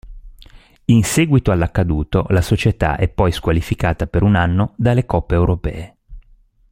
In seguito all'accaduto la società è poi squalificata per un anno dalle Coppe europee.